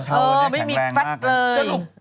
เออไม่มีฟัสเลย